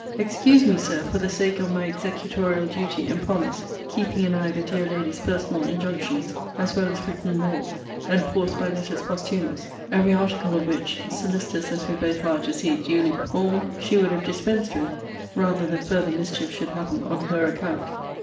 Excuse me, Sir, for the sake of my executorial duty and promise, keeping in eye the dear lady's personal injunctions, as well as written will, enforced by letters posthumous. Every article of which (solicitous as we both are to see it duly performed) she would have dispensed with, rather than farther mischief should happen on her account.